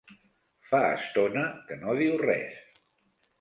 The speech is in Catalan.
Fa estona que no diu res.